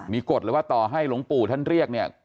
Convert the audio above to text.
มีกฎเลยว่าต่อให้หลวงปู่ท่านเรียกเนี่ย